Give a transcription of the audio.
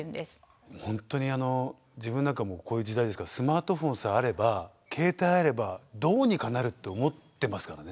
本当に自分何かもうこういう時代ですからスマートフォンさえあれば携帯あればどうにかなるって思ってますからね。